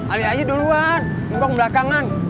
alih aja duluan buang belakangan